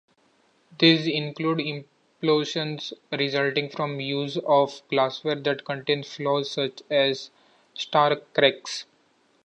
These include implosions resulting from use of glassware that contains flaws, such as star-cracks.